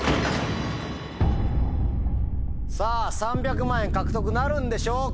さぁ３００万円獲得なるんでしょうか？